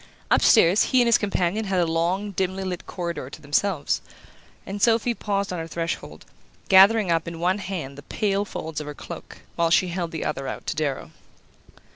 Upstairs, he and his companion had the long dimly lit corridor to themselves, and Sophy paused on her threshold, gathering up in one hand the pale folds of her cloak, while she held the other out to Darrow.